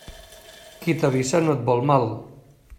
Qui t'avisa no et vol mal.